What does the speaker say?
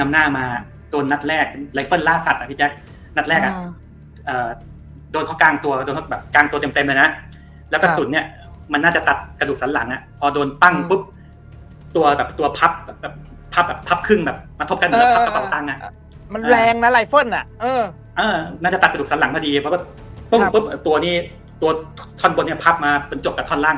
มันเหมือนเราพัปกระเป๋าตั้ง